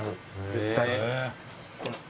ぴったり。